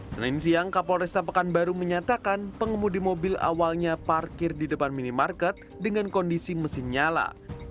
senin siang kapolresta pekanbaru menyatakan pengemudi mobil awalnya parkir di depan minimarket dengan kondisi mesin nyala